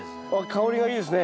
香りがいいですね